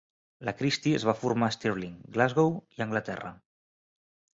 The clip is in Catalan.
La Christie es va formar a Stirling, Glasgow i Anglaterra.